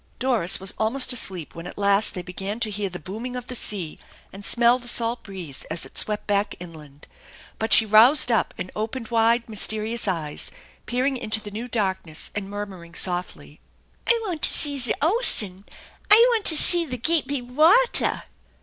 Doris was almost asleep when at last they began to hear the booming of the sea and smell the salt breezo as it swept back inland ; but she roused up and opened wide, mysterious eyes, peering into the new darkness, and murmuring softly: " I yant to see ze osun ! I yant to see the gate bid watter